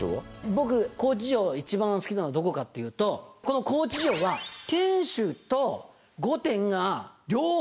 僕高知城一番好きなのどこかっていうとこの高知城ははぁ。